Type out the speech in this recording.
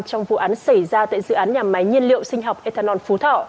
trong vụ án xảy ra tại dự án nhà máy nhiên liệu sinh học ethanol phú thọ